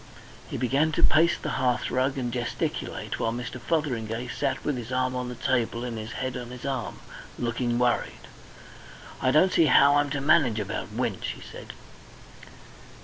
He began to pace the hearthrug and gesticulate, while Mr. Fotheringay sat with his arm on the table and his head on his arm, looking worried. "I don't see how I'm to manage about Winch," he said.